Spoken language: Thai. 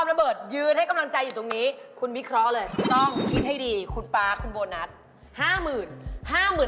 ๕หมื่นอย่างอันนี้ไม่ได้กฎดักนะแต่ว่า๕หมื่น